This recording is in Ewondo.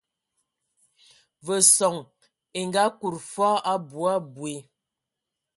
Ve son e ngaakud foo abui abui.